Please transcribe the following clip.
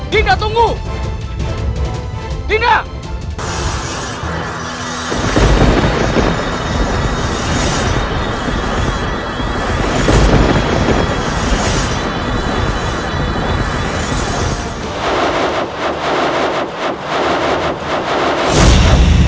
dinda di watak aku